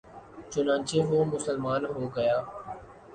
چنانچہ وہ مسلمان ہو گیا